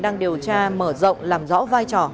đang điều tra mở rộng làm rõ vai trò